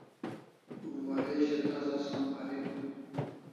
Waresho tasa som parim